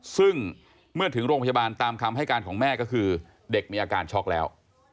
ซึ่งเมื่อถึงโรงพยาบาลตามคำให้การของแม่ก็คือเด็กมีอาการช็อกแล้ว